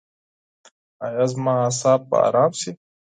ایا زما اعصاب به ارام شي؟